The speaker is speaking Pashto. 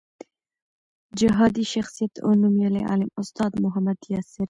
جهادي شخصیت او نومیالی عالم استاد محمد یاسر